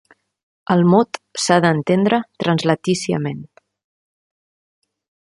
El mot s'ha d'entendre translatíciament.